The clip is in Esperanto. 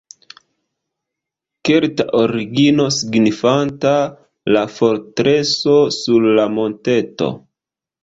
Kelta origino signifanta "la fortreso sur la monteto".